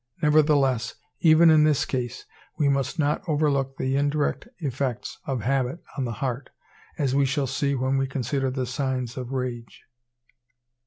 Nevertheless, even in this case, we must not overlook the indirect effects of habit on the heart, as we shall see when we consider the signs of rage.